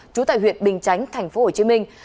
trú tại huyện bình chánh thành phố hồ chí minh